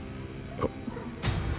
あっ。